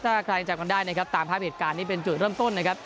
ถ้าใครจำกันได้นะครับตามภาพเหตุการณ์นี้เป็นจุดเริ่มต้นนะครับ